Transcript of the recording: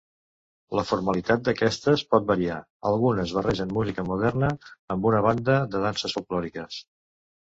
La formalitat d’aquestes pot variar: algunes barregen música moderna amb una banda de danses folklòriques.